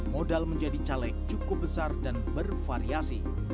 modal menjadi caleg cukup besar dan bervariasi